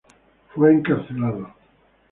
Fue encarcelado.